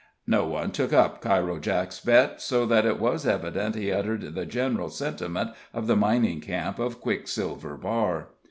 No one took up Cairo Jake's bet, so that it was evident he uttered the general sentiment of the mining camp of Quicksilver Bar.